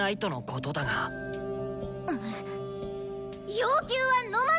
要求はのまない！